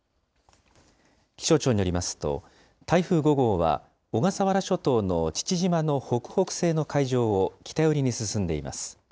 気象庁によりますと、台風５号は、小笠原諸島の父島の北北西の海上を北寄りに進んでいます。